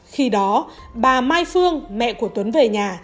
khi đó bà mai phương mẹ của tuấn về nhà